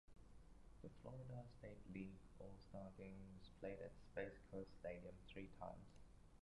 The Florida State League All-Star Game was played at Space Coast Stadium three times.